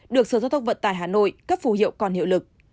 được sở giao thông vận tải hà nội cấp phù hiệu còn hiệu lực